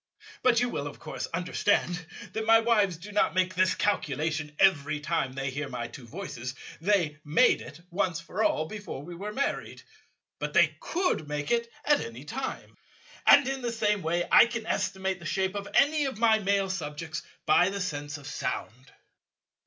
But you will of course understand that my wives do not make this calculation every time they hear my two voices. They made it, once for all, before we were married. But they could make it at any time. And in the same way I can estimate the shape of any of my Male subjects by the sense of sound."